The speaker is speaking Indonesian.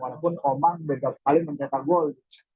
walaupun omang berbeda sekali mencetak gol